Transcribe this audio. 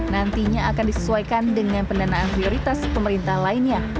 nantinya akan disesuaikan dengan pendanaan prioritas pemerintah lainnya